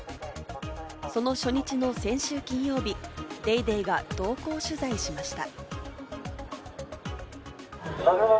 その初日の先週金曜日、『ＤａｙＤａｙ．』が同行取材しました。